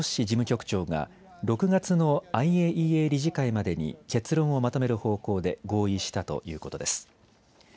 事務局長が６月のＩＡＥＡ理事会までに結論をまとめる方向で合意したということです。